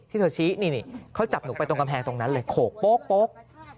เธอชี้นี่เขาจับหนูไปตรงกำแพงตรงนั้นเลยโขกโป๊ก